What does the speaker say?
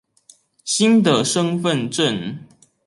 新的身份証